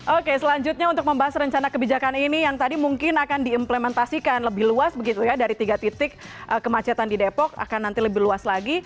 oke selanjutnya untuk membahas rencana kebijakan ini yang tadi mungkin akan diimplementasikan lebih luas begitu ya dari tiga titik kemacetan di depok akan nanti lebih luas lagi